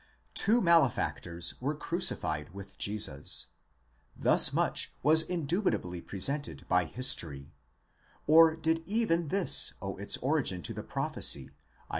Two malefactors were crucified with Jesus : thus much was indubitably presented by history (or did even this owe its origin to the prophecy, Isa.